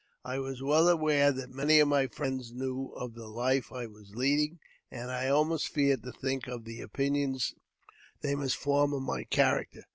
I was well aware that many of my friends knew of the life I was leading, and I almost feared to think of the opinions they must form of my character.